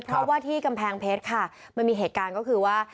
เพราะว่าที่กำแพงเพชรค่ะมันมีเหตุการณ์ก็คือว่า